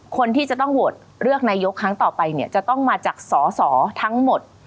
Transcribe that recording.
คนที่จะต้องโหวตเลือกนายกครั้งต่อไปเนี่ยจะต้องมาจากสอสอทั้งหมด